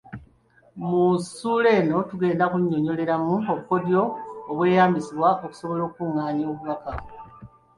Mu ssuula eno tugenda kunnyonnyoleramu obukodyo obweyambisibwa okusobola okukungaanya obubaka.